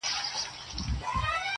چي نور ساده راته هر څه ووايه_